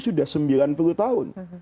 sudah sembilan puluh tahun